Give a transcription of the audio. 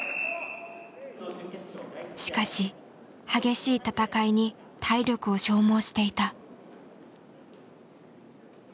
しかし激しい戦いに体力を消耗していた。